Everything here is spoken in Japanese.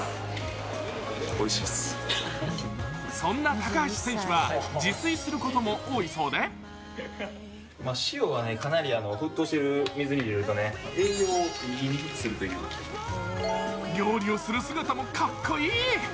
そんな高橋選手は自炊することも多いそうで料理をする姿もかっこいい。